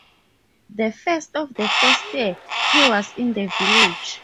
The first of the first year, he was in the village.